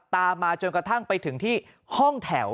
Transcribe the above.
ตามมาจนกระทั่งไปถึงที่ห้องแถว